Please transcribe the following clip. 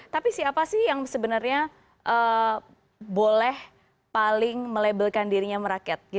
tapi siapa sih yang sebenarnya boleh paling melabelkan dirinya merakyat